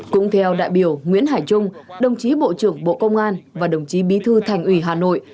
cũng theo đại biểu nguyễn hải trung đồng chí bộ trưởng bộ công an và đồng chí bí thư thành ủy hà nội